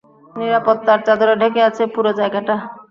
নিরাপত্তার চাদরে ঢেকে আছে পুরো জায়গাটা।